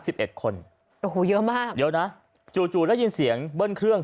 สิบเอ็ดคนโอ้โหเยอะมากเยอะนะจู่จู่ได้ยินเสียงเบิ้ลเครื่อง